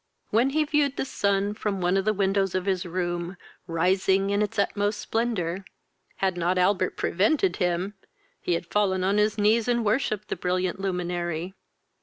When he viewed the sun, from one of the windows of his room, rising in its utmost splendor, had not Albert prevented him, he had fallen on his knees, and worshipped the brilliant luminary.